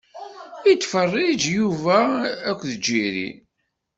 Ittfeṛṛiǧ Yuba & Jerry.